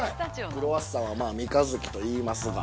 クロワッサンは三日月と言いますが。